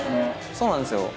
そうなんですよ